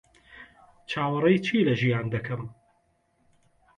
چاوەڕێی چی لە ژیان دەکەم؟